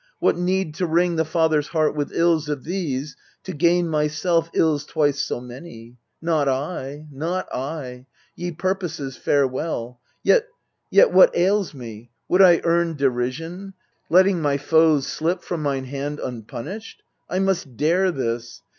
What need to wring the father's heart with ills Of these, to gain myself ills twice so many ? Not I, not I ! Ye purposes, farewell ! Yet yet what ails me ? Would I earn derision, Letting my foes slip from mine hand unpunished ? I must dare this.